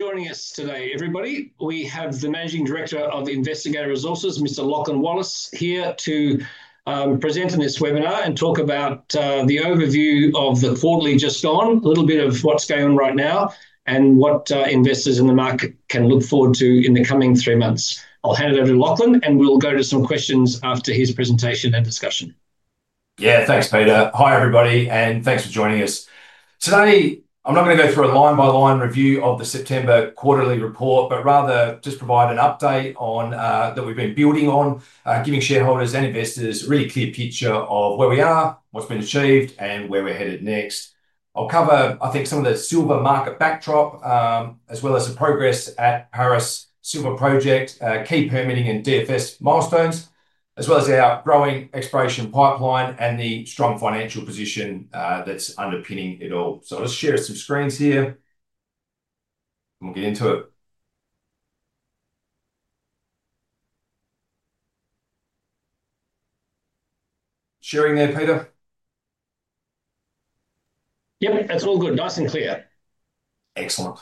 Joining us today, everybody, we have the Managing Director of Investigator Resources, Mr. Lachlan Wallace, here to present on this webinar and talk about the overview of the quarterly just gone, a little bit of what's going on right now, and what investors in the market can look forward to in the coming three months. I'll hand it over to Lachlan, and we'll go to some questions after his presentation and discussion. Yeah, thanks, Peter. Hi, everybody, and thanks for joining us. Today, I'm not going to go through a line-by-line review of the September quarterly report, but rather just provide an update that we've been building on, giving shareholders and investors a really clear picture of where we are, what's been achieved, and where we're headed next. I'll cover, I think, some of the silver market backdrop, as well as the progress at Paris Silver Project, key permitting and DFS milestones, as well as our growing exploration pipeline and the strong financial position that's underpinning it all. I'll just share some screens here. We'll get into it. Sharing there, Peter. Yep, that's all good, nice and clear. Excellent.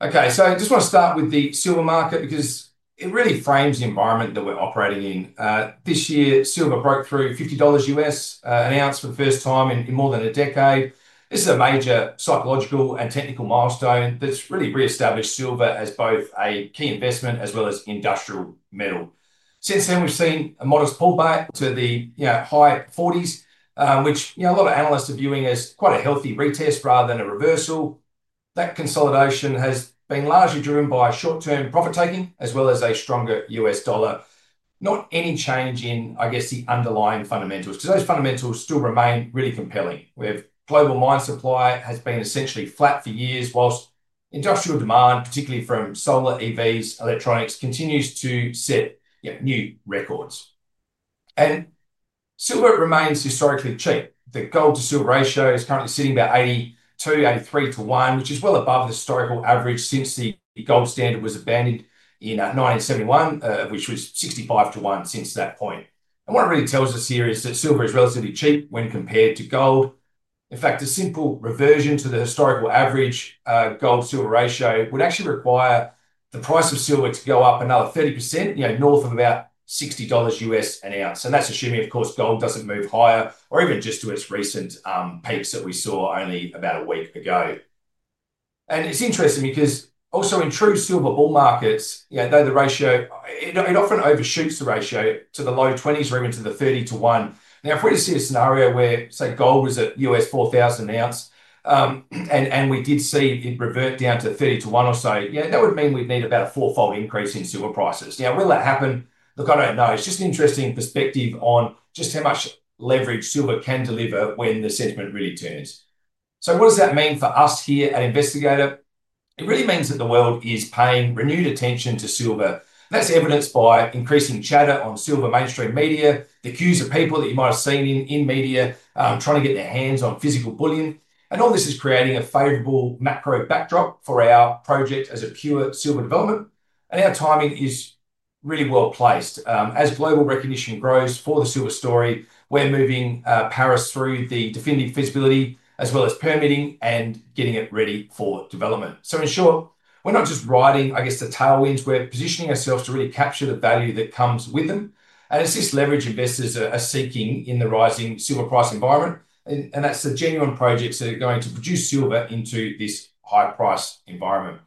Okay, I just want to start with the silver market because it really frames the environment that we're operating in. This year, silver broke through $50 U.S. an ounce for the first time in more than a decade. This is a major psychological and technical milestone that's really reestablished silver as both a key investment as well as industrial metal. Since then, we've seen a modest pullback to the high 40s, which a lot of analysts are viewing as quite a healthy retest rather than a reversal. That consolidation has been largely driven by short-term profit-taking as well as a stronger U.S. dollar, not any change in the underlying fundamentals because those fundamentals still remain really compelling. We have global mine supply that has been essentially flat for years, whilst industrial demand, particularly from solar, EVs, electronics, continues to set new records. Silver remains historically cheap. The gold-to-silver ratio is currently sitting about 82, 83 to 1, which is well above the historical average since the gold standard was abandoned in 1971, which was 65 to 1 since that point. What it really tells us here is that silver is relatively cheap when compared to gold. In fact, a simple reversion to the historical average gold-silver ratio would actually require the price of silver to go up another 30%, north of about $60 U.S. an ounce. That's assuming, of course, gold doesn't move higher or even just to its recent peaks that we saw only about a week ago. It's interesting because also in true silver bull markets, the ratio, it often overshoots the ratio to the low 20s or even to the 30 to 1. Now, if we were to see a scenario where, say, gold was at $4,000 U.S. an ounce, and we did see it revert down to 30 to 1 or so, that would mean we'd need about a four-fold increase in silver prices. Will that happen? Look, I don't know. It's just an interesting perspective on just how much leverage silver can deliver when the sentiment really turns. What does that mean for us here at Investigator Resources? It really means that the world is paying renewed attention to silver. That's evidenced by increasing chatter on silver mainstream media, the queues of people that you might have seen in media trying to get their hands on physical bullion. All this is creating a favorable macro-economic backdrop for our project as a pure silver development, and our timing is really well placed. As global recognition grows for the silver story, we're moving Paris through the definitive feasibility, as well as permitting and getting it ready for development. In short, we're not just riding, I guess, the tailwinds. We're positioning ourselves to really capture the value that comes with them and assist leverage investors who are seeking in the rising silver price environment. That's the genuine projects that are going to produce silver into this high-priced environment.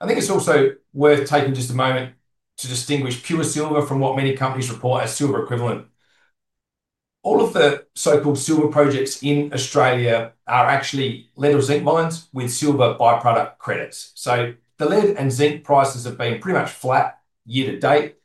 I think it's also worth taking just a moment to distinguish pure silver from what many companies report as silver equivalent. All of the so-called silver projects in Australia are actually lead or zinc mines with silver byproduct credits. The lead and zinc prices have been pretty much flat year to date.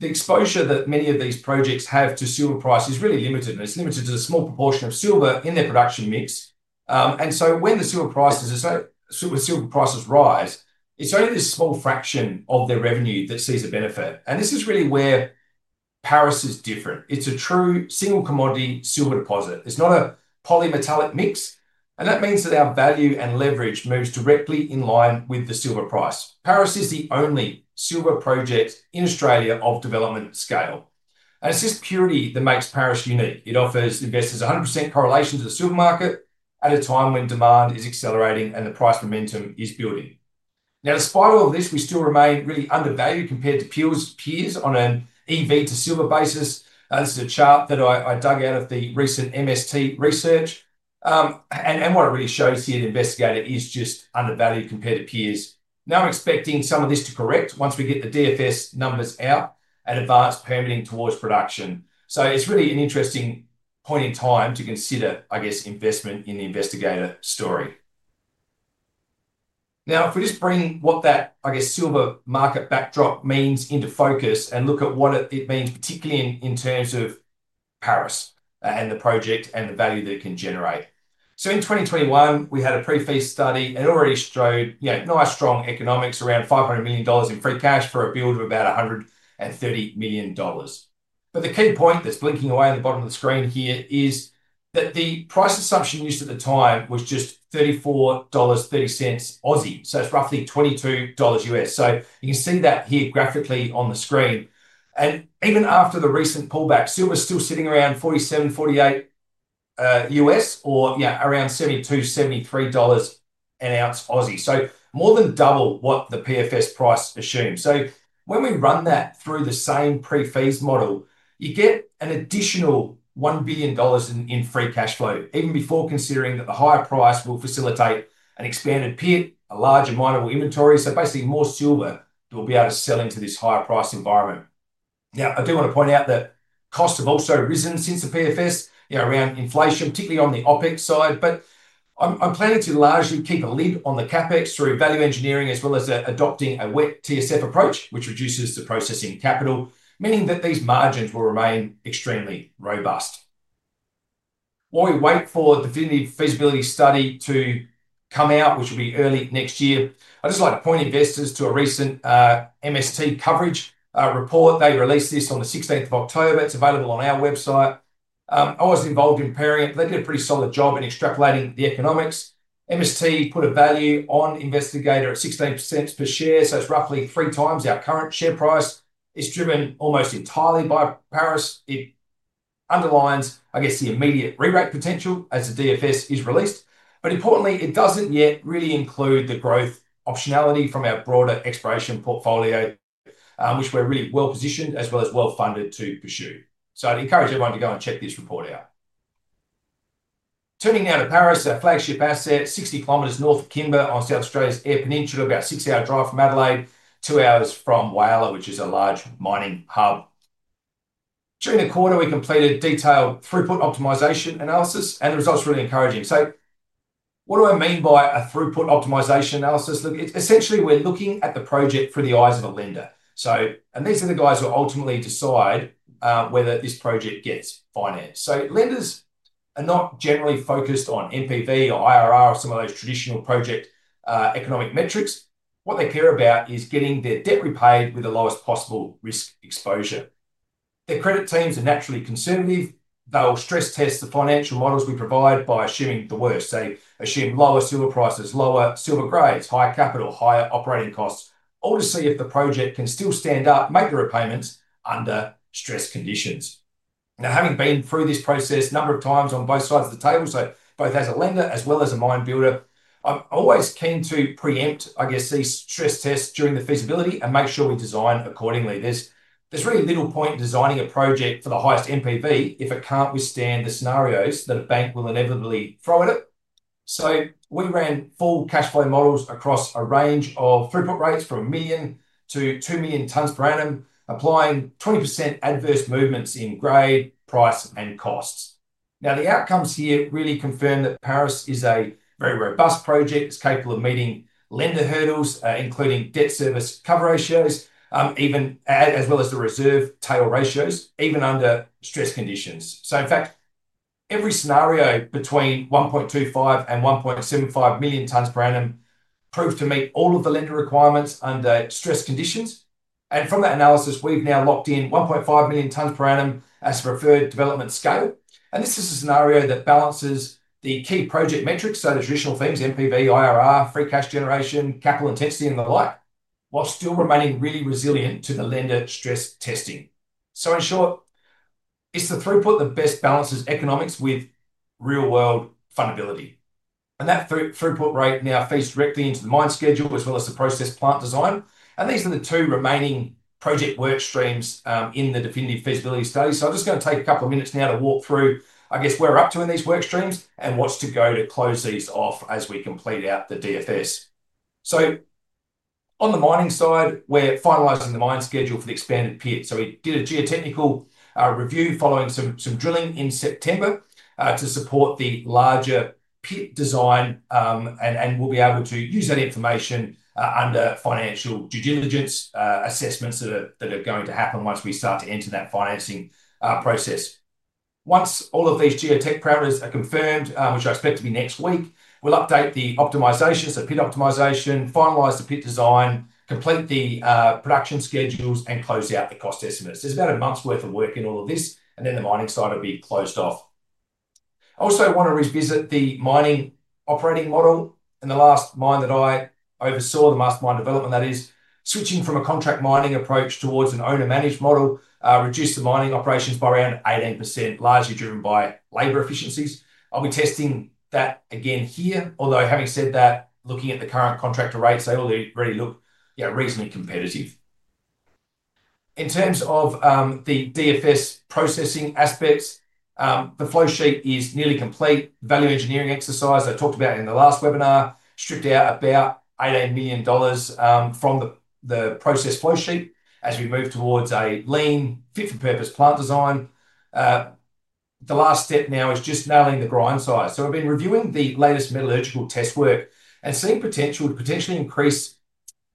The exposure that many of these projects have to silver price is really limited, and it's limited to a small proportion of silver in their production mix. When the silver prices rise, it's only this small fraction of their revenue that sees a benefit. This is really where Paris is different. It's a true single commodity silver deposit. It's not a polymetallic mix. That means that our value and leverage moves directly in line with the silver price. Paris is the only silver project in Australia of development scale. It's this purity that makes Paris unique. It offers investors 100% correlation to the silver market at a time when demand is accelerating and the price momentum is building. Now, despite all of this, we still remain really undervalued compared to peers on an EV to silver basis. This is a chart that I dug out of the recent MST research. What it really shows here at Investigator is just undervalued compared to peers. I'm expecting some of this to correct once we get the DFS numbers out and advance permitting towards production. It's really an interesting point in time to consider, I guess, investment in the Investigator story. If we just bring what that, I guess, silver market backdrop means into focus and look at what it means, particularly in terms of Paris and the project and the value that it can generate. In 2021, we had a pre-feasibility study and already showed nice strong economics, around $500 million in free cash for a build of about $130 million. The key point that's blinking away in the bottom of the screen here is that the price assumption used at the time was just 34.30 Aussie dollars. It's roughly $22 U.S. You can see that here graphically on the screen. Even after the recent pullback, silver is still sitting around $47, $48 U.S. or around AUD 72, AUD 73 an ounce Aussie, which is more than double what the PFS price assumes. When we run that through the same pre-feas model, you get an additional $1 billion in free cash flow, even before considering that the higher price will facilitate an expanded pit, a larger mine inventory. Basically, more silver that will be able to sell into this higher price environment. I do want to point out that costs have also risen since the PFS around inflation, particularly on the OpEx side. I'm planning to largely keep a lid on the CapEx through value engineering, as well as adopting a Wet TSF approach, which reduces the processing capital, meaning that these margins will remain extremely robust. While we wait for the definitive feasibility study to come out, which will be early next year, I'd just like to point investors to a recent MST coverage report. They released this on the 16th of October. It's available on our website. I wasn't involved in preparing it, but they did a pretty solid job in extrapolating the economics. MST put a value on Investigator at 16% per share, so it's roughly three times our current share price. It's driven almost entirely by Paris. It underlines, I guess, the immediate rerate potential as the DFS is released. Importantly, it doesn't yet really include the growth optionality from our broader exploration portfolio, which we're really well positioned, as well as well funded to pursue. I'd encourage everyone to go and check this report out. Turning now to Paris, our flagship asset, 60 km north of Kimba on South Australia's Eyre Peninsula, about a six-hour drive from Adelaide, two hours from Whyalla, which is a large mining hub. During the quarter, we completed detailed throughput optimization analysis, and the results are really encouraging. What do I mean by a throughput optimization analysis? Essentially, we're looking at the project through the eyes of a lender. These are the guys who ultimately decide whether this project gets financed. Lenders are not generally focused on NPV or IRR or some of those traditional project economic metrics. What they care about is getting their debt repaid with the lowest possible risk exposure. Their credit teams are naturally conservative. They'll stress test the financial models we provide by assuming the worst. They assume lower silver prices, lower silver grades, higher capital, higher operating costs, all to see if the project can still stand up, make the repayments under stress conditions. Now, having been through this process a number of times on both sides of the table, so both as a lender as well as a mine builder, I'm always keen to preempt, I guess, these stress tests during the feasibility and make sure we design accordingly. There's really little point in designing a project for the highest MPV if it can't withstand the scenarios that a bank will inevitably throw at it. We ran full cash flow models across a range of throughput rates from 1 million-2 million tons per annum, applying 20% adverse movements in grade, price, and costs. The outcomes here really confirm that Paris is a very robust project. It's capable of meeting lender hurdles, including debt service cover ratios, as well as the reserve tail ratios, even under stress conditions. In fact, every scenario between 1.25 million and 1.75 million tons per annum proved to meet all of the lender requirements under stress conditions. From that analysis, we've now locked in 1.5 million tons per annum as a preferred development scale. This is a scenario that balances the key project metrics, so the traditional themes, MPV, IRR, free cash generation, capital intensity, and the like, while still remaining really resilient to the lender stress testing. In short, it's the throughput that best balances economics with real-world fundability. That throughput rate now feeds directly into the mine schedule, as well as the process plant design. These are the two remaining project workstreams in the definitive feasibility study. I'm going to take a couple of minutes now to walk through where we're up to in these workstreams and what's to go to close these off as we complete out the DFS. On the mining side, we're finalizing the mine schedule for the expanded pit. We did a geotechnical review following some drilling in September to support the larger pit design, and we'll be able to use that information under financial due diligence assessments that are going to happen once we start to enter that financing process. Once all of these geotech parameters are confirmed, which I expect to be next week, we'll update the optimization, so pit optimization, finalize the pit design, complete the production schedules, and close out the cost estimates. There's about a month's worth of work in all of this, and then the mining side will be closed off. I also want to revisit the mining operating model. In the last mine that I oversaw, the mast mine development, that is, switching from a contract mining approach towards an owner-managed model reduced the mining operations by around 18%, largely driven by labor efficiencies. I'll be testing that again here, although, having said that, looking at the current contractor rates, they already look reasonably competitive. In terms of the definitive feasibility study processing aspects, the flow sheet is nearly complete. The value engineering exercise I talked about in the last webinar stripped out about $18 million from the process flow sheet as we move towards a lean fit-for-purpose plant design. The last step now is just nailing the grind size. We've been reviewing the latest metallurgical test work and seeing potential to potentially increase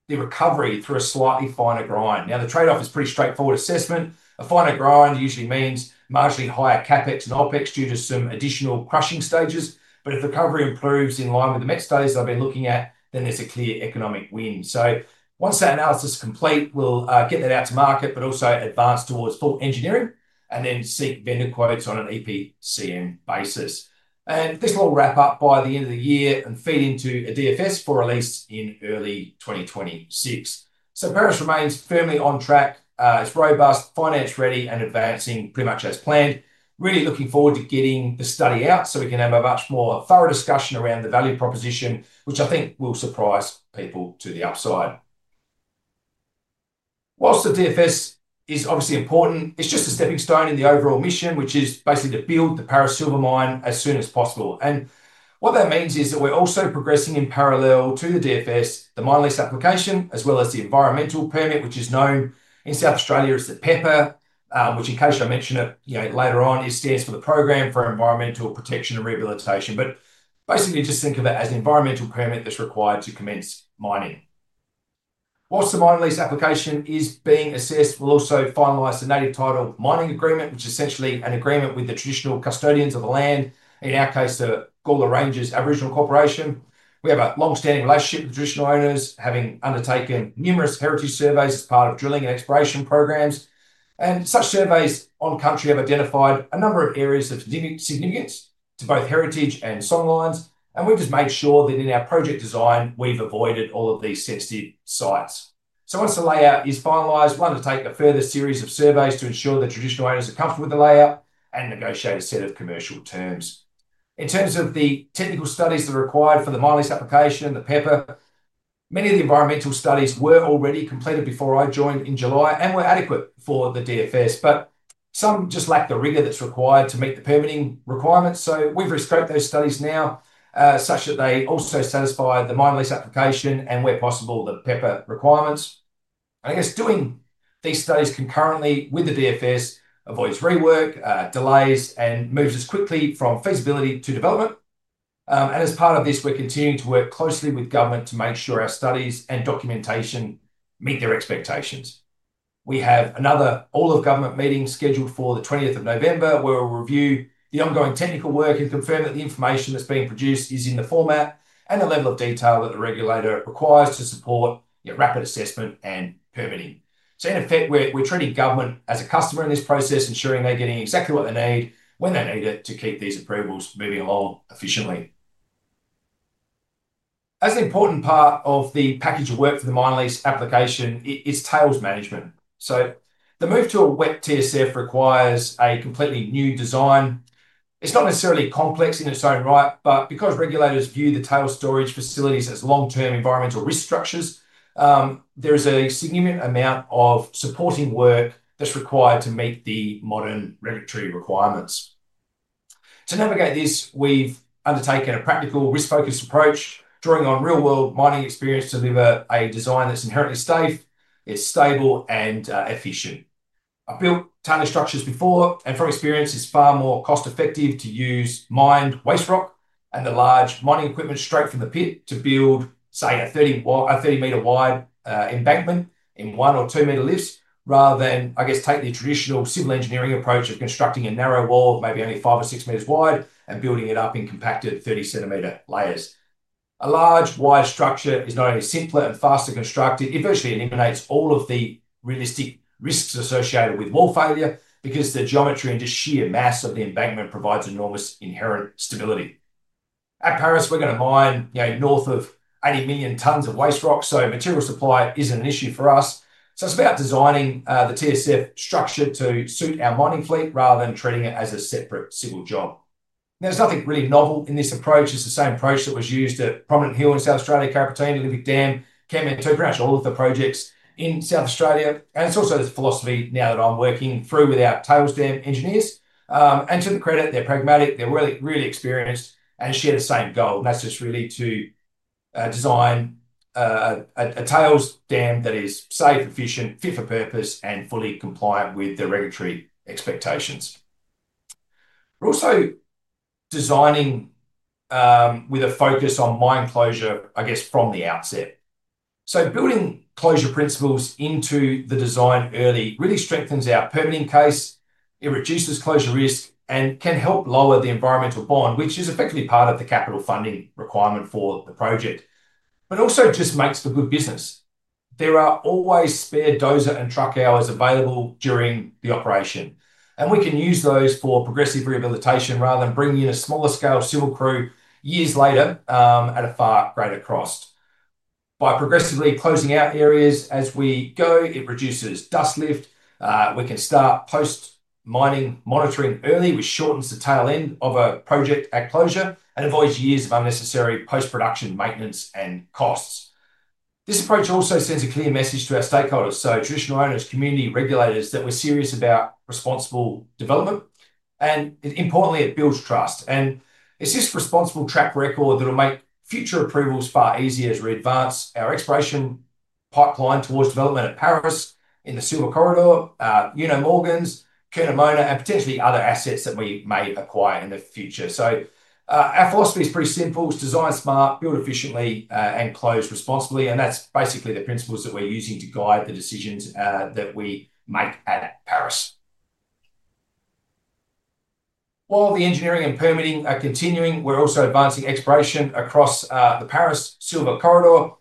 the recovery through a slightly finer grind. The trade-off is a pretty straightforward assessment. A finer grind usually means marginally higher CapEx and OpEx due to some additional crushing stages. If recovery improves in line with the methods studies I've been looking at, then there's a clear economic win. Once that analysis is complete, we'll get that out to market, but also advance towards full engineering and then seek vendor quotes on an [EPCM] basis. This will wrap up by the end of the year and feed into a definitive feasibility study for release in early 2026. Paris remains firmly on track. It's robust, finance-ready, and advancing pretty much as planned. Really looking forward to getting the study out so we can have a much more thorough discussion around the value proposition, which I think will surprise people to the upside. Whilst the definitive feasibility study is obviously important, it's just a stepping stone in the overall mission, which is basically to build the Paris Silver [line] as soon as possible. What that means is that we're also progressing in parallel to the definitive feasibility study, the mine lease application, as well as the environmental permit, which is known in South Australia as the PEPA, which, in case I mention it later on, stands for the Program for Environmental Protection and Rehabilitation. Basically, just think of it as an environmental permit that's required to commence mining. Whilst the mine list application is being assessed, we'll also finalize the native title mining agreement, which is essentially an agreement with the traditional custodians of the land, in our case, the Gullah Rangers Aboriginal Corporation. We have a longstanding relationship with traditional owners, having undertaken numerous heritage surveys as part of drilling and exploration programs. Such surveys on country have identified a number of areas of significance to both heritage and songlines. We've just made sure that in our project design, we've avoided all of these sensitive sites. Once the layout is finalized, we'll undertake a further series of surveys to ensure that traditional owners are comfortable with the layout and negotiate a set of commercial terms. In terms of the technical studies that are required for the mine list application, the PEPA, many of the environmental studies were already completed before I joined in July and were adequate for the DFS, but some just lacked the rigor that's required to meet the permitting requirements. We've restructured those studies now such that they also satisfy the mine list application and, where possible, the PEPA requirements. I guess doing these studies concurrently with the DFS avoids rework, delays, and moves us quickly from feasibility to development. As part of this, we're continuing to work closely with government to make sure our studies and documentation meet their expectations. We have another all-of-government meeting scheduled for the 20th of November, where we'll review the ongoing technical work and confirm that the information that's being produced is in the format and the level of detail that the regulator requires to support rapid assessment and permitting. In effect, we're treating government as a customer in this process, ensuring they're getting exactly what they need when they need it to keep these approvals moving along efficiently. As an important part of the package of work for the mine list application, it's tails management. The move to a Wet TSF requires a completely new design. It's not necessarily complex in its own right, but because regulators view the tail storage facilities as long-term environmental risk structures, there is a significant amount of supporting work that's required to meet the modern regulatory requirements. To navigate this, we've undertaken a practical risk-focused approach, drawing on real-world mining experience to deliver a design that's inherently safe, stable, and efficient. I've built tailored structures before, and from experience, it's far more cost-effective to use mined waste rock and the large mining equipment straight from the pit to build, say, a 30 m wide embankment in one or two-meter lifts, rather than take the traditional civil engineering approach of constructing a narrow wall of maybe only five or six meters wide and building it up in compacted 0.3 m layers. A large wide structure is not only simpler and faster constructed, it virtually eliminates all of the realistic risks associated with wall failure because the geometry and just sheer mass of the embankment provides enormous inherent stability. At Paris, we're going to mine north of 80 million tons of waste rock, so material supply isn't an issue for us. It's about designing the TSF structure to suit our mining fleet rather than treating it as a separate civil job. There's nothing really novel in this approach. It's the same approach that was used at Prominent Hill in South Australia, Carrapateena, the Lubbock Dam, Kanmantoo, pretty much all of the projects in South Australia. It's also the philosophy now that I'm working through with our tails dam engineers. To their credit, they're pragmatic, they're really experienced, and share the same goal. That's just really to design a tails dam that is safe, efficient, fit for purpose, and fully compliant with the regulatory expectations. We're also designing with a focus on mine closure, I guess, from the outset. Building closure principles into the design early really strengthens our permitting case. It reduces closure risk and can help lower the environmental bond, which is effectively part of the capital funding requirement for the project, but also just makes for good business. There are always spare dozer and truck hours available during the operation, and we can use those for progressive rehabilitation rather than bringing in a smaller scale civil crew years later at a far greater cost. By progressively closing out areas as we go, it reduces dust lift. We can start post-mining monitoring early, which shortens the tail end of a project at closure and avoids years of unnecessary post-production maintenance and costs. This approach also sends a clear message to our stakeholders, traditional owners, community regulators, that we're serious about responsible development. Importantly, it builds trust and assists responsible track record that will make future approvals far easier as we advance our exploration pipeline towards development at Paris in the Silver Corridor, Uno Morgans, Curnamona, and potentially other assets that we may acquire in the future. Our philosophy is pretty simple. It's design smart, build efficiently, and close responsibly. That's basically the principles that we're using to guide the decisions that we make at Paris. While the engineering and permitting are continuing, we're also advancing exploration across the Paris Silver Corridor.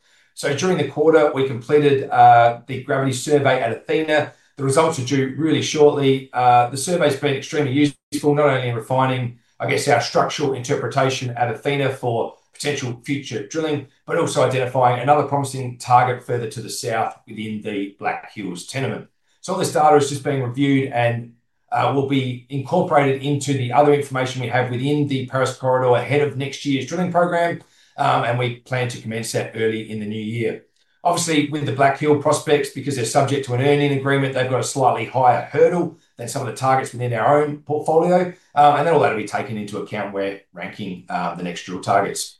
During the quarter, we completed the gravity survey at Athena. The results are due really shortly. The survey's been extremely useful, not only in refining our structural interpretation at Athena for potential future drilling, but also identifying another promising target further to the south within the Black Hill tenement. All this data is just being reviewed and will be incorporated into the other information we have within the Paris Corridor ahead of next year's drilling program. We plan to commence that early in the new year. Obviously, with the Black Hill prospects, because they're subject to an earning agreement, they've got a slightly higher hurdle than some of the targets within our own portfolio. All that will be taken into account when ranking the next drill targets.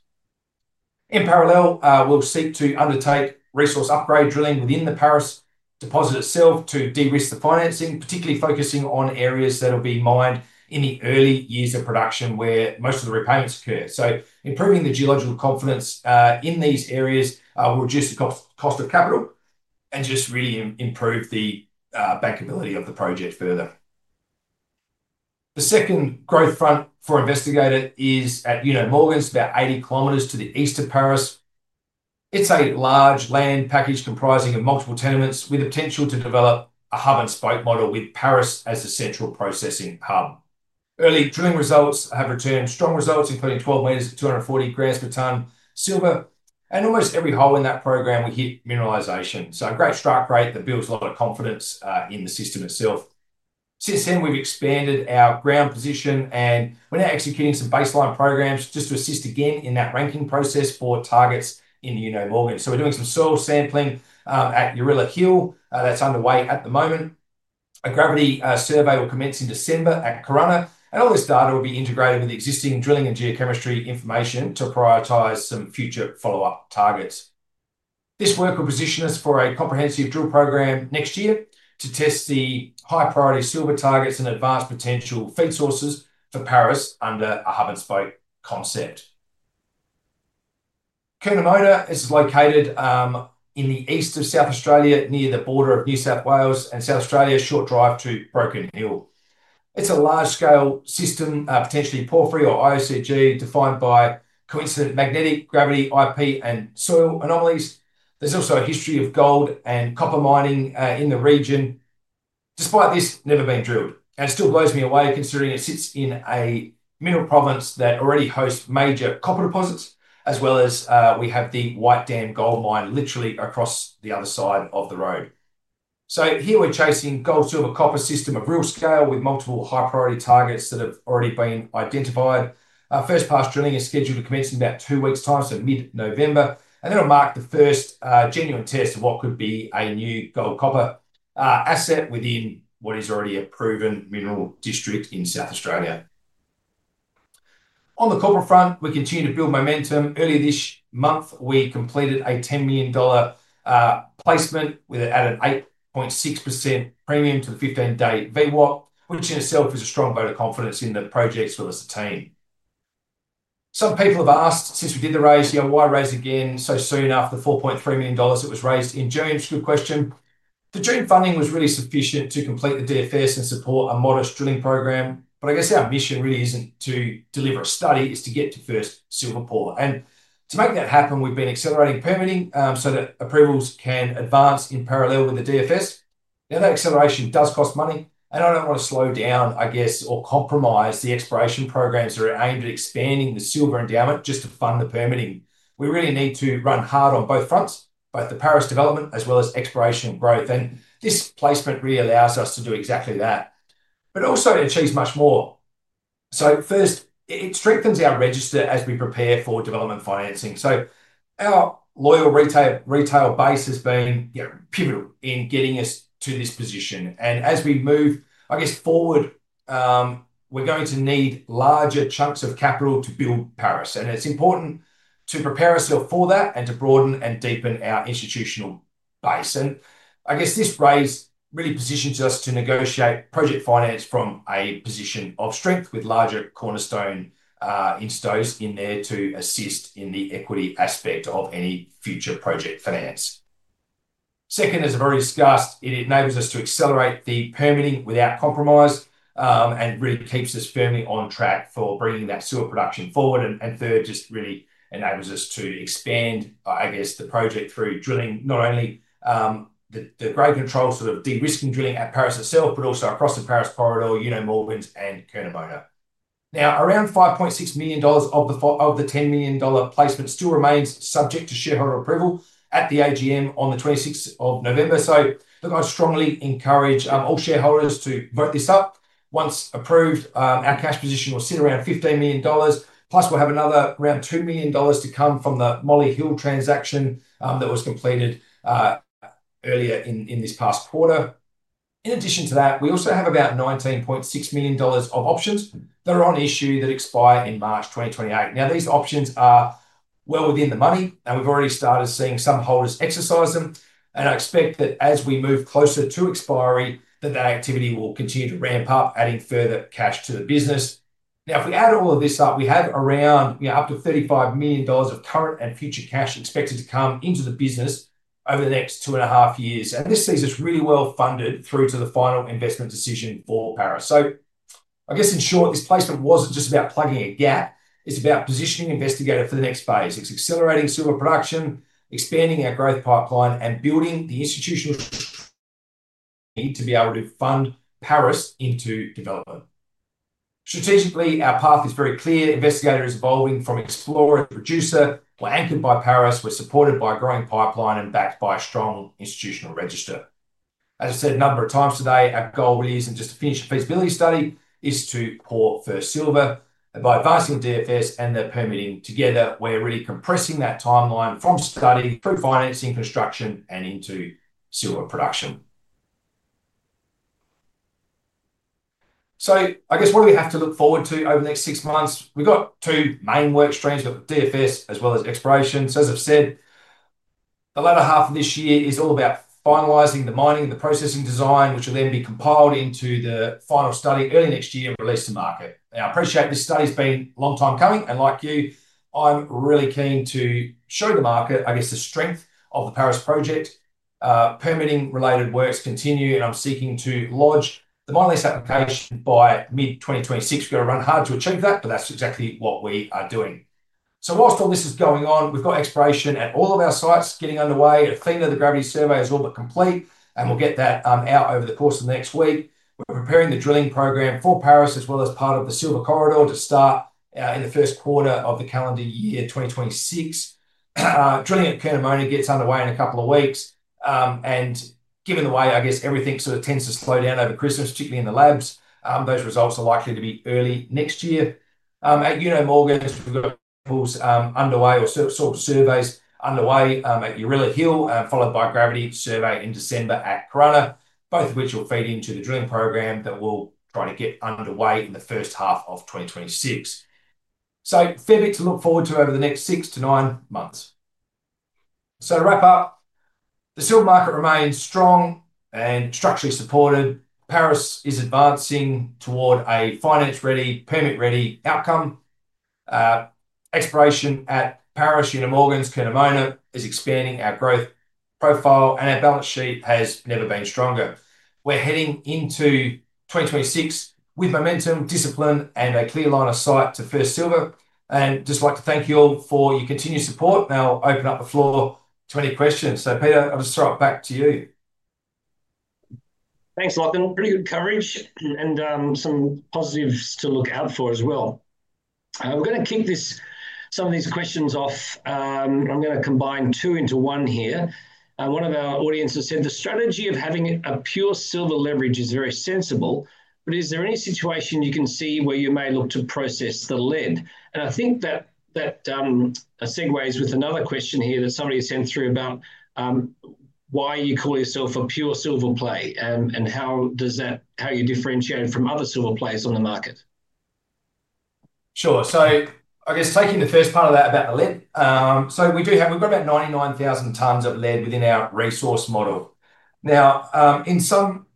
In parallel, we'll seek to undertake resource upgrade drilling within the Paris deposit itself to de-risk the financing, particularly focusing on areas that will be mined in the early years of production where most of the repayments occur. Improving the geological confidence in these areas will reduce the cost of capital and just really improve the bankability of the project further. The second growth front for Investigator is at Uno Morgans, about 80 km to the east of Paris. It's a large land package comprising multiple tenements with the potential to develop a hub and spoke model with Paris as the central processing hub. Early drilling results have returned strong results, including 12 m at 240 g per ton silver. Almost every hole in that program, we hit mineralization. A great strike rate that builds a lot of confidence in the system itself. Since then, we've expanded our ground position, and we're now executing some baseline programs just to assist again in that ranking process for targets in the Uno Morgans. We're doing some soil sampling at Eurilla Hill that's underway at the moment. A gravity survey will commence in December at Corunna, and all this data will be integrated with the existing drilling and geochemistry information to prioritize some future follow-up targets. This work will position us for a comprehensive drill program next year to test the high-priority silver targets and advance potential feed sources for Paris under a hub and spoke concept. Curnamona is located in the east of South Australia, near the border of New South Wales and South Australia, a short drive to Broken Hill. It's a large-scale system, potentially porphyry or IOCG, defined by coincident magnetic gravity, IP, and soil anomalies. There's also a history of gold and copper mining in the region. Despite this, it's never been drilled. It still blows me away considering it sits in a mineral province that already hosts major copper deposits, as well as we have the White Dam gold mine literally across the other side of the road. Here we're chasing a gold-silver-copper system of real scale with multiple high-priority targets that have already been identified. First pass drilling is scheduled to commence in about two weeks' time, so mid-November. That'll mark the first genuine test of what could be a new gold-copper asset within what is already a proven mineral district in South Australia. On the copper front, we continue to build momentum. Earlier this month, we completed a $10 million placement with an added 8.6% premium to the 15-day VWAP, which in itself is a strong vote of confidence in the project's fullest attained. Some people have asked, since we did the raise, you know, why raise again so soon after the $4.3 million that was raised in June? It's a good question. The June funding was really sufficient to complete the definitive feasibility study and support a modest drilling program. I guess our mission really isn't to deliver a study; it's to get to first silver pour. To make that happen, we've been accelerating permitting so that approvals can advance in parallel with the definitive feasibility study. Now that acceleration does cost money, and I don't want to slow down or compromise the exploration programs that are aimed at expanding the silver endowment just to fund the permitting. We really need to run hard on both fronts, both the Paris development as well as exploration and growth. This placement really allows us to do exactly that. It also achieves much more. First, it strengthens our register as we prepare for development financing. Our loyal retail base has been pivotal in getting us to this position. As we move forward, we're going to need larger chunks of capital to build Paris. It's important to prepare ourselves for that and to broaden and deepen our institutional base. This raise really positions us to negotiate project finance from a position of strength with larger cornerstone instows in there to assist in the equity aspect of any future project finance. Second, as I've already discussed, it enables us to accelerate the permitting without compromise and really keeps us firmly on track for bringing that silver production forward. Third, it really enables us to expand the project through drilling, not only the grade control, sort of de-risking drilling at Paris itself, but also across the Paris Silver Corridor, Uno Morgans, and Curnamona. Now, around $5.6 million of the $10 million placement still remains subject to shareholder approval at the AGM on the 26th of November. I strongly encourage all shareholders to vote this up. Once approved, our cash position will sit around $15 million. Plus, we'll have another around $2 million to come from the Molyhil transaction that was completed earlier in this past quarter. In addition to that, we also have about $19.6 million of options that are on issue that expire in March 2028. These options are well within the money, and we've already started seeing some holders exercise them. I expect that as we move closer to expiry, that activity will continue to ramp up, adding further cash to the business. If we add all of this up, we have around up to $35 million of current and future cash expected to come into the business over the next two and a half years. This sees us really well funded through to the final investment decision for Paris. In short, this placement wasn't just about plugging a gap. It's about positioning Investigator for the next phase. It's accelerating silver production, expanding our growth pipeline, and building the institutional need to be able to fund Paris into development. Strategically, our path is very clear. Investigator is evolving from explorer to producer. We're anchored by Paris. We're supported by a growing pipeline and backed by a strong institutional register. As I've said a number of times today, our goal really isn't just to finish a feasibility study, it's to pour first silver. By advancing the DFS and the permitting together, we're really compressing that timeline from study through financing, construction, and into silver production. I guess what do we have to look forward to over the next six months? We've got two main workstreams. We've got the DFS as well as exploration. As I've said, the latter half of this year is all about finalizing the mining and the processing design, which will then be compiled into the final study early next year and released to market. I appreciate this study's been a long time coming. Like you, I'm really keen to show the market, I guess, the strength of the Paris project. Permitting-related works continue, and I'm seeking to lodge the mine list application by mid-2026. We've got to run hard to achieve that, but that's exactly what we are doing. Whilst all this is going on, we've got exploration at all of our sites getting underway. A cleaner of the gravity survey is all but complete, and we'll get that out over the course of the next week. We're preparing the drilling program for Paris as well as part of the Silver Corridor to start in the first quarter of the calendar year 2026. Drilling at Curnamona gets underway in a couple of weeks. Given the way, I guess, everything sort of tends to slow down over Christmas, particularly in the labs, those results are likely to be early next year. At Uno Morgans, we've got underway or sort of surveys underway at Eurilla Hill, followed by a gravity survey in December at Curonna, both of which will feed into the drilling program that we'll try to get underway in the first half of 2026. A fair bit to look forward to over the next six to nine months. To wrap up, the silver market remains strong and structurally supported. Paris is advancing toward a finance-ready, permit-ready outcome. Exploration at Paris, Uno Morgans, Curnamona is expanding our growth profile, and our balance sheet has never been stronger. We're heading into 2026 with momentum, discipline, and a clear line of sight to first silver. I'd just like to thank you all for your continued support. Now I'll open up the floor to any questions. Peter, I'll just throw it back to you. Thanks, Lachlan. Pretty good coverage and some positives to look out for as well. We're going to kick some of these questions off. I'm going to combine two into one here. One of our audiences said, "The strategy of having a pure silver leverage is very sensible, but is there any situation you can see where you may look to process the lead?" I think that that segues with another question here that somebody sent through about why you call yourself a pure silver play and how that differentiates you from other silver plays on the market. Sure. I guess taking the first part of that about the lead. We do have, we've got about 99,000 tons of lead within our resource model. In some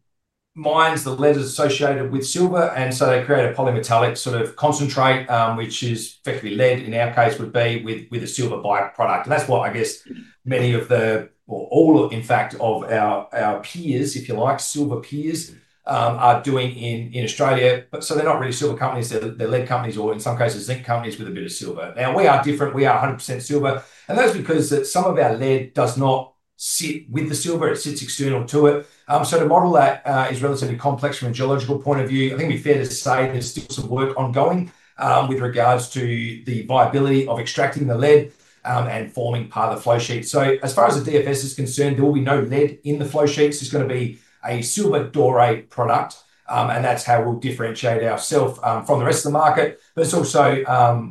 mines, the lead is associated with silver, and they create a polymetallic sort of concentrate, which is effectively lead, in our case, would be with a silver byproduct. That's what I guess many of the, or all, in fact, of our peers, if you like, silver peers are doing in Australia. They're not really silver companies. They're lead companies or, in some cases, zinc companies with a bit of silver. We are different. We are 100% silver. That's because some of our lead does not sit with the silver. It sits external to it. To model that is relatively complex from a geological point of view. I think it'd be fair to say there's still some work ongoing with regards to the viability of extracting the lead and forming part of the flow sheet. As far as the DFS is concerned, there will be no lead in the flow sheet. It's just going to be a silver doré product. That's how we'll differentiate ourselves from the rest of the market. It's also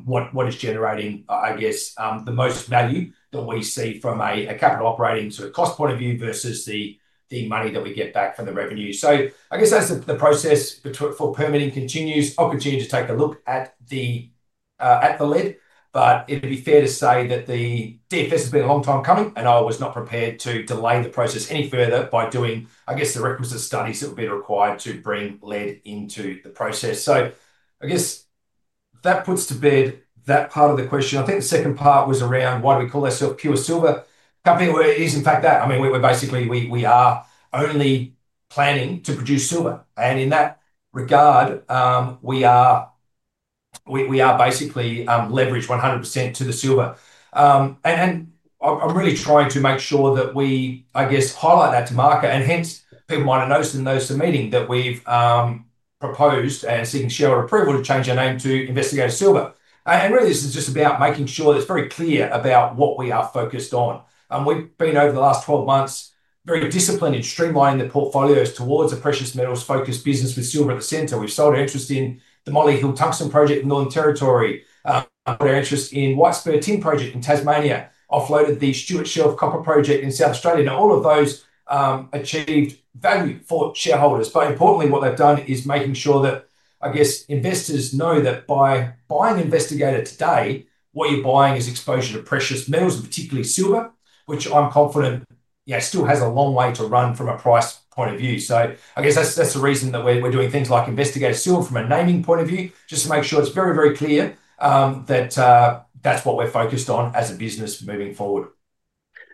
what is generating, I guess, the most value that we see from a capital operating to a cost point of view versus the money that we get back from the revenue. As the process for permitting continues, I'll continue to take a look at the lead. It'd be fair to say that the DFS has been a long time coming, and I was not prepared to delay the process any further by doing, I guess, the requisite studies that would be required to bring lead into the process. I guess that puts to bed that part of the question. I think the second part was around why do we call ourselves pure silver company. It is in fact that. We're basically, we are only planning to produce silver. In that regard, we are basically leveraged 100% to the silver. I'm really trying to make sure that we, I guess, highlight that to market. Hence, people might have noticed in the notice of meeting that we've proposed, seeking shareholder approval, to change our name to Investigator Silver. This is just about making sure that it's very clear about what we are focused on. We've been, over the last 12 months, very disciplined in streamlining the portfolios towards a precious metals-focused business with silver at the center. We've sold our interest in the Molyhil Tungsten Project in the Northern Territory, put our interest in Whitesbury Tin Project in Tasmania, offloaded the Stuart Shelf Copper Project in South Australia. All of those achieved value for shareholders. Importantly, what they've done is making sure that, I guess, investors know that by buying Investigator today, what you're buying is exposure to precious metals and particularly silver, which I'm confident still has a long way to run from a price point of view. That's the reason that we're doing things like Investigator Silver from a naming point of view, just to make sure it's very, very clear that that's what we're focused on as a business moving forward.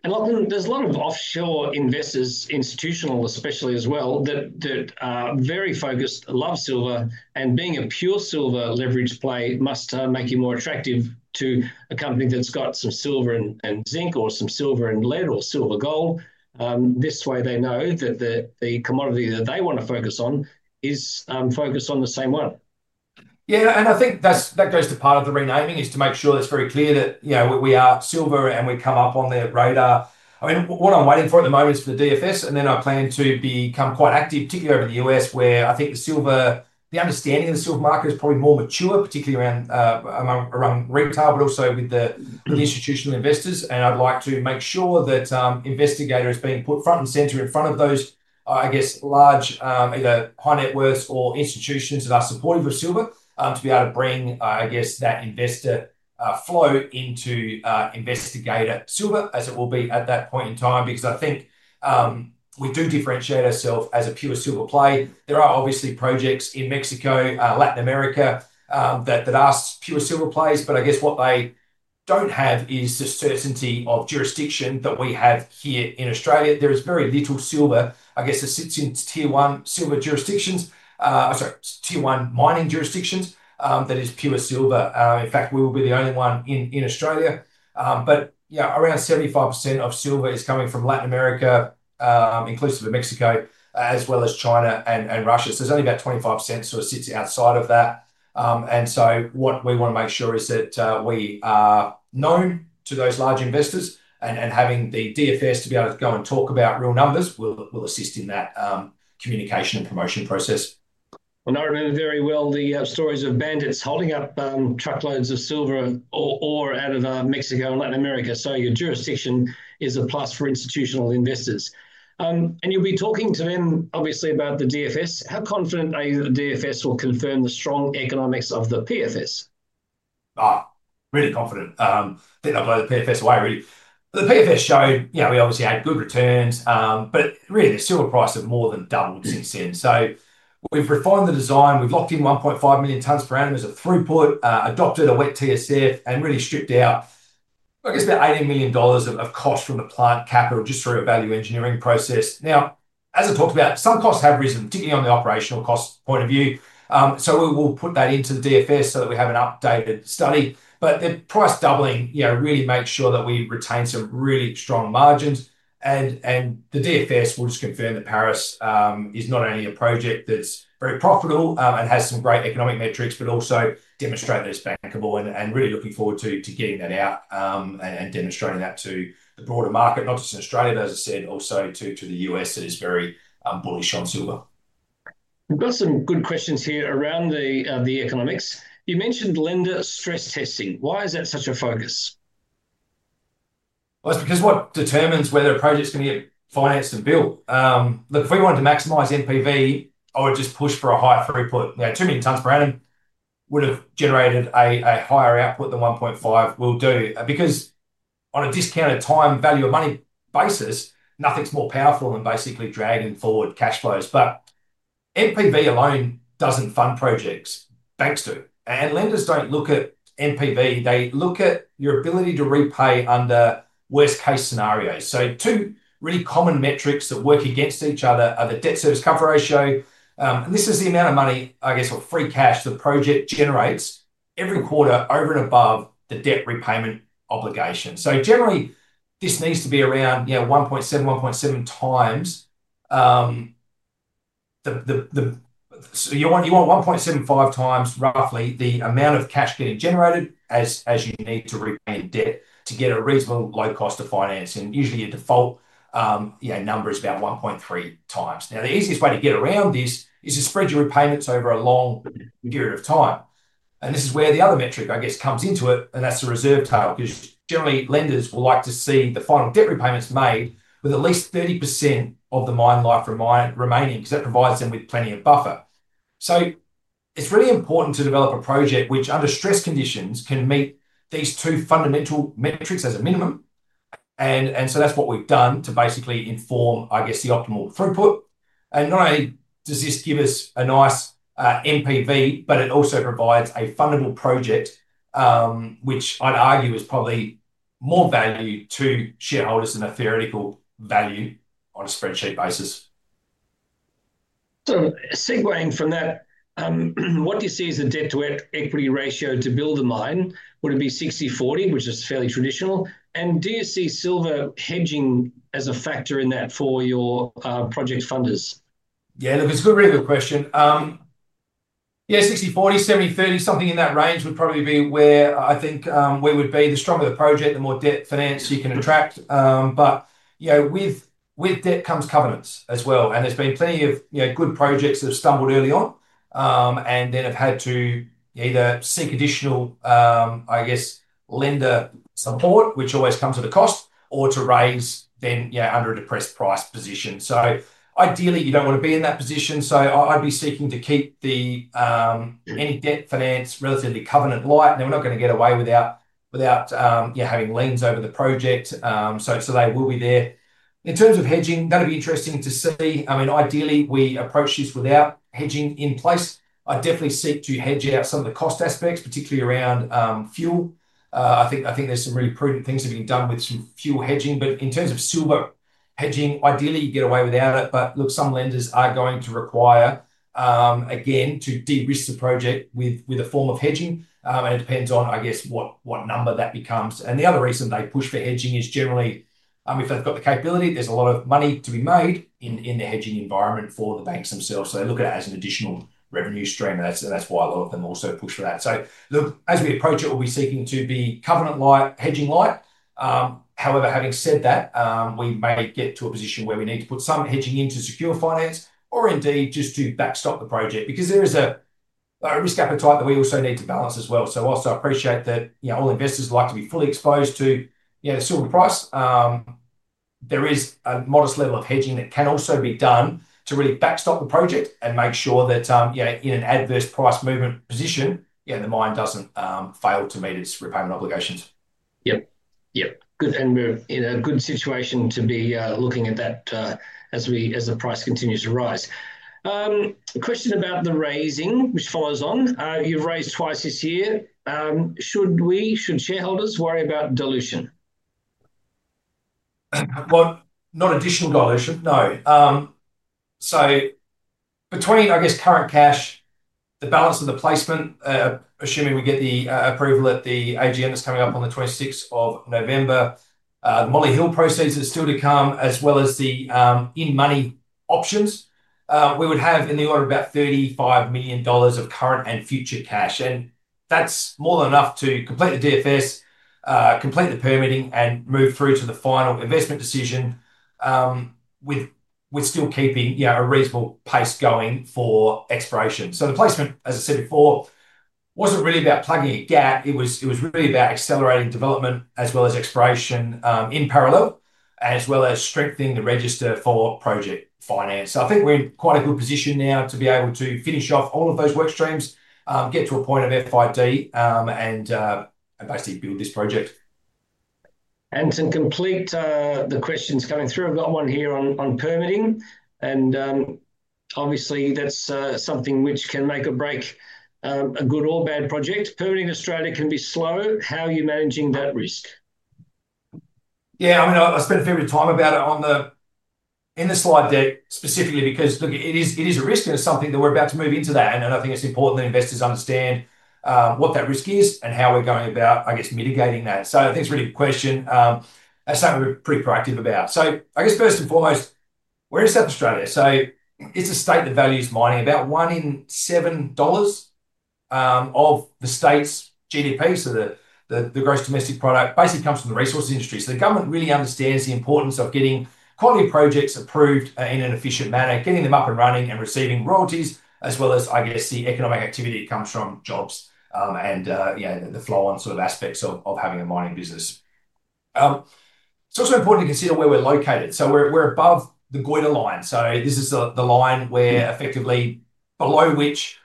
Lachlan, there's a lot of offshore investors, institutional especially as well, that are very focused, love silver. Being a pure silver leverage play must make you more attractive to a company that's got some silver and zinc or some silver and lead or silver gold. This way, they know that the commodity that they want to focus on is focused on the same one. Yeah, and I think that goes to part of the renaming, to make sure that's very clear that we are silver and we come up on their radar. What I'm waiting for at the moment is for the DFS, and then I plan to become quite active, particularly over the U.S., where I think the understanding of the silver market is probably more mature, particularly around retail, but also with the institutional investors. I'd like to make sure that Investigator is being put front and center in front of those, I guess, large either high net worths or institutions that are supportive of silver to be able to bring, I guess, that investor flow into Investigator Silver as it will be at that point in time. I think we do differentiate ourselves as a pure silver play. There are obviously projects in Mexico, Latin America that are pure silver plays, but I guess what they don't have is the certainty of jurisdiction that we have here in Australia. There is very little silver that sits in tier one mining jurisdictions that is pure silver. In fact, we will be the only one in Australia. Around 75% of silver is coming from Latin America, inclusive of Mexico, as well as China and Russia. There's only about 25% that sort of sits outside of that. What we want to make sure is that we are known to those large investors, and having the DFS to be able to go and talk about real numbers will assist in that communication and promotion process. We know very well the stories of bandits holding up truckloads of silver out of Mexico and Latin America. Your jurisdiction is a plus for institutional investors. You'll be talking to them, obviously, about the DFS. How confident are you that the DFS will confirm the strong economics of the PFS? Really confident. I think they'll blow the PFS away, really. The PFS showed, you know, we obviously had good returns, but really, the silver price has more than doubled since then. We've refined the design. We've locked in 1.5 million tons per annum as a throughput, adopted a Wet TSF, and really stripped out, I guess, about $18 million of cost from the plant capital just through a value engineering process. As I talked about, some costs have risen, particularly on the operational cost point of view. We will put that into the DFS so that we have an updated study. The price doubling really makes sure that we retain some really strong margins. The DFS will just confirm that Paris is not only a project that's very profitable and has some great economic metrics, but also demonstrate that it's bankable. Really looking forward to getting that out and demonstrating that to the broader market, not just in Australia, but as I said, also to the U.S. that is very bullish on silver. We've got some good questions here around the economics. You mentioned lender stress testing. Why is that such a focus? It's because what determines whether a project's going to get financed and built. Look, if we wanted to maximize MPV, I would just push for a high throughput. Too many tons per annum would have generated a higher output than 1.5 will do because on a discounted time value of money basis, nothing's more powerful than basically dragging forward cash flows. MPV alone doesn't fund projects. Banks do. Lenders don't look at MPV. They look at your ability to repay under worst-case scenarios. Two really common metrics that work against each other are the debt service cover ratio. This is the amount of money, I guess, or free cash the project generates every quarter over and above the debt repayment obligation. Generally, this needs to be around 1.7x, 1.7x. You want 1.75x roughly the amount of cash getting generated as you need to repay debt to get a reasonable low cost of finance. Usually, your default number is about 1.3x. The easiest way to get around this is to spread your repayments over a long period of time. This is where the other metric, I guess, comes into it, and that's the reserve tail because generally, lenders will like to see the final debt repayments made with at least 30% of the mine life remaining, because that provides them with plenty of buffer. It's really important to develop a project which, under stress conditions, can meet these two fundamental metrics as a minimum. That's what we've done to basically inform, I guess, the optimal throughput. Not only does this give us a nice MPV, but it also provides a fundable project, which I'd argue is probably more value to shareholders than a theoretical value on a spreadsheet basis. Segueing from that, what do you see as a debt-to-equity ratio to build a mine? Would it be 60/40, which is fairly traditional? Do you see silver hedging as a factor in that for your project funders? Yeah, look, it's a really good question. Yeah, 60/40, 70/30, something in that range would probably be where I think we would be. The stronger the project, the more debt finance you can attract. You know, with debt comes covenants as well. There's been plenty of good projects that have stumbled early on and then have had to either seek additional, I guess, lender support, which always comes at a cost, or to raise then under a depressed price position. Ideally, you don't want to be in that position. I'd be seeking to keep any debt finance relatively covenant-light. We're not going to get away without having liens over the project, so they will be there. In terms of hedging, that'd be interesting to see. Ideally, we approach this without hedging in place. I'd definitely seek to hedge out some of the cost aspects, particularly around fuel. I think there's some really prudent things that are being done with some fuel hedging. In terms of silver hedging, ideally, you get away without it. Some lenders are going to require, again, to de-risk the project with a form of hedging. It depends on, I guess, what number that becomes. The other reason they push for hedging is generally, if they've got the capability, there's a lot of money to be made in the hedging environment for the banks themselves. They look at it as an additional revenue stream, and that's why a lot of them also push for that. As we approach it, we'll be seeking to be covenant-light, hedging-light. However, having said that, we may get to a position where we need to put some hedging in to secure finance or indeed just to backstop the project because there is a risk appetite that we also need to balance as well. Whilst I appreciate that all investors like to be fully exposed to the silver price, there is a modest level of hedging that can also be done to really backstop the project and make sure that in an adverse price movement position, the mine doesn't fail to meet its repayment obligations. Good. We're in a good situation to be looking at that as the price continues to rise. Question about the raising, which follows on. You've raised twice this year. Should shareholders worry about dilution? Not additional dilution, no. Between, I guess, current cash, the balance of the placement, assuming we get the approval at the AGM that's coming up on the 26th of November, the Molyhil proceeds that are still to come, as well as the in-money options, we would have in the order of about $35 million of current and future cash. That's more than enough to complete the DFS, complete the permitting, and move through to the final investment decision while still keeping a reasonable pace going for exploration. The placement, as I said before, wasn't really about plugging a gap. It was really about accelerating development as well as exploration in parallel, as well as strengthening the register for project finance. I think we're in quite a good position now to be able to finish off all of those workstreams, get to a point of FID, and basically build this project. To complete the questions coming through, I've got one here on permitting. Obviously, that's something which can make or break a good or bad project. Permitting in Australia can be slow. How are you managing that risk? Yeah, I mean, I spent a fair bit of time about it in the slide deck specifically because, look, it is a risk and it's something that we're about to move into. I think it's important that investors understand what that risk is and how we're going about, I guess, mitigating that. I think it's a really good question. That's something we're pretty proactive about. First and foremost, we're in South Australia. It's a state that values mining, about 1 in 7 dollars of the state's GDP. The gross domestic product basically comes from the resource industry. The government really understands the importance of getting quality projects approved in an efficient manner, getting them up and running, and receiving royalties, as well as the economic activity that comes from jobs and the flow-on sort of aspects of having a mining business. It's also important to consider where we're located. We're above the [Gullah] line. This is the line where, effectively, below which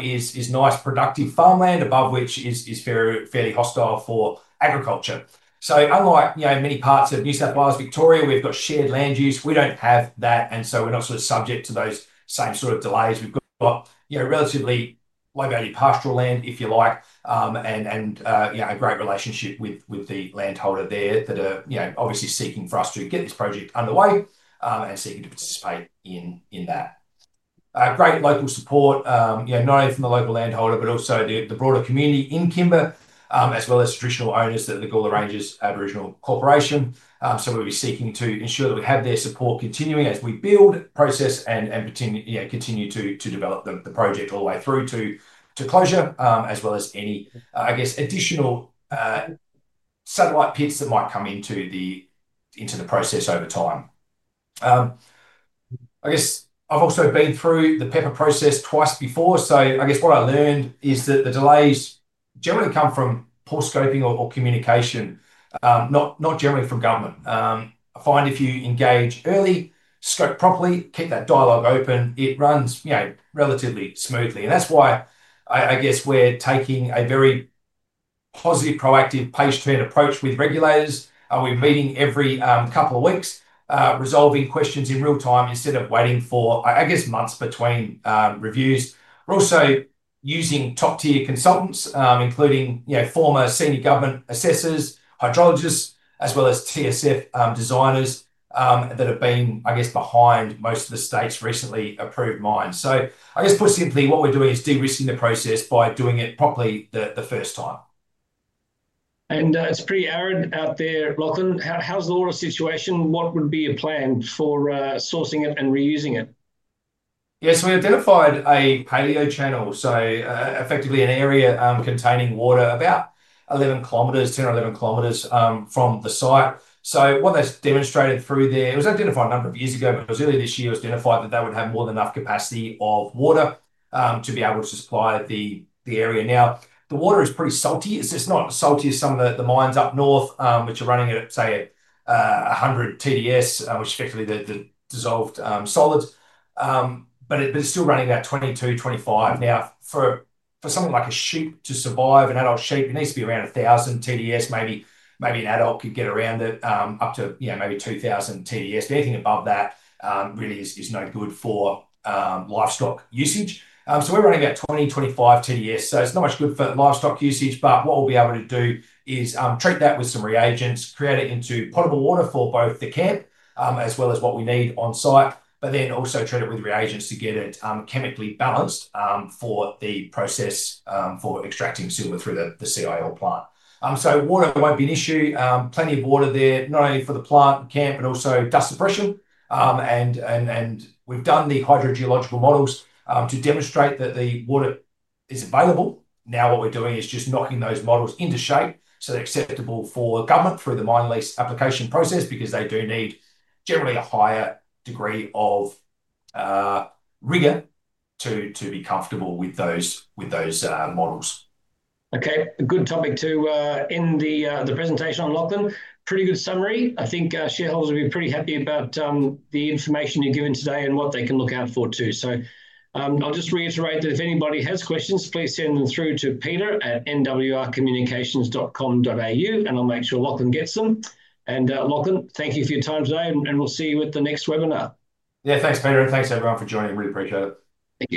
is nice productive farmland, above which is fairly hostile for agriculture. Unlike many parts of New South Wales and Victoria, we've got shared land use. We don't have that, and we're not subject to those same sort of delays. We've got relatively low-value pastoral land, if you like, and a great relationship with the landholder there that are obviously seeking for us to get this project underway and seeking to participate in that. Great local support, not only from the local landholder, but also the broader community in Kimba, as well as traditional owners that are the Gullah Rangers Aboriginal Corporation. We'll be seeking to ensure that we have their support continuing as we build, process, and continue to develop the project all the way through to closure, as well as any additional satellite pits that might come into the process over time. I've also been through the PEPA process twice before. What I learned is that the delays generally come from poor scoping or communication, not generally from government. I find if you engage early, scope properly, keep that dialogue open, it runs relatively smoothly. That's why we're taking a very positive, proactive, page-turn approach with regulators. We're meeting every couple of weeks, resolving questions in real time instead of waiting for months between reviews. We're also using top-tier consultants, including former senior government assessors, hydrologists, as well as TSF designers that have been behind most of the state's recently approved mines. Put simply, what we're doing is de-risking the process by doing it properly the first time. It's pretty arid out there. Lachlan, how's the water situation? What would be your plan for sourcing it and reusing it? Yes, we identified a paleo channel, so effectively an area containing water about 10 km or 11 km from the site. What that's demonstrated through there, it was identified a number of years ago, but it was earlier this year it was identified that they would have more than enough capacity of water to be able to supply the area. Now, the water is pretty salty. It's just not as salty as some of the mines up north, which are running at, say, 100 TDS, which is effectively the dissolved solids. It's still running about 22, 25. For something like a sheep to survive, an adult sheep, it needs to be around 1,000 TDS, maybe an adult could get around it up to maybe 2,000 TDS. Anything above that really is no good for livestock usage. We're running about 20, 25 TDS. It's not much good for livestock usage. What we'll be able to do is treat that with some reagents, create it into potable water for both the camp as well as what we need on site, but then also treat it with reagents to get it chemically balanced for the process for extracting silver through the CIO plant. Water won't be an issue. Plenty of water there, not only for the plant and camp, but also dust suppression. We've done the hydrogeological models to demonstrate that the water is available. Now what we're doing is just knocking those models into shape so they're acceptable for the government through the mine lease application process because they do need generally a higher degree of rigor to be comfortable with those models. OK, a good topic to end the presentation on, Lachlan. Pretty good summary. I think shareholders will be pretty happy about the information you're giving today and what they can look out for too. I'll just reiterate that if anybody has questions, please send them through to peter@nwrcommunications.com.au, and I'll make sure Lachlan gets them. Lachlan, thank you for your time today, and we'll see you at the next webinar. Yeah, thanks, Peter, and thanks everyone for joining. Really appreciate it.